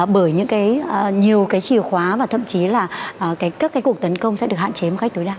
bởi những cái nhiều cái chìa khóa và thậm chí là các cái cuộc tấn công sẽ được hạn chế một cách tối đa